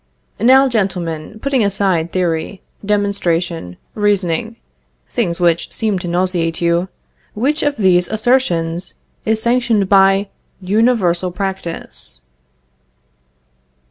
Now gentlemen, putting aside theory, demonstration, reasoning, (things which seem to nauseate you,) which of these assertions is sanctioned by universal practice?